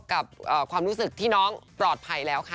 กับความรู้สึกที่น้องปลอดภัยแล้วค่ะ